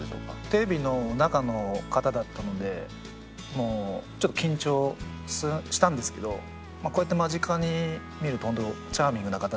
テレビの中の方だったのでもうちょっと緊張したんですけどこうやって間近に見ると本当チャーミングな方で。